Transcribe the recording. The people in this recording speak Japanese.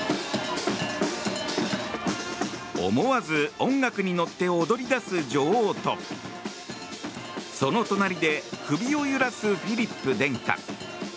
思わず音楽に乗って踊り出す女王とその隣で首を揺らすフィリップ殿下。